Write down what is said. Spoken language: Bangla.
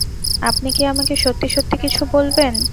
আপনি কি আমাকে সত্যি সত্যি কিছু বলবেন?